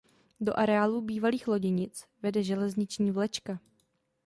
Do areálu bývalých loděnic vede železniční vlečka.